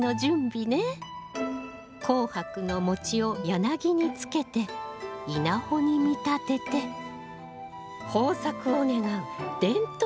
紅白の餅を柳につけて稲穂に見立てて豊作を願う伝統行事。